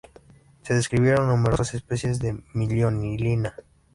Se describieron numerosas especies de "Miliolina".